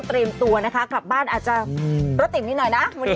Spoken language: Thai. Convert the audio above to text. เตรียมตัวกลับบ้านอาจจะพุทธติมนิดหน่อยนะ